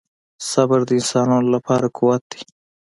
• صبر د انسان لپاره قوت دی.